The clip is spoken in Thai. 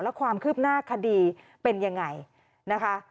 แล้วความคืบหน้าคดีเป็นยังไงนะคะ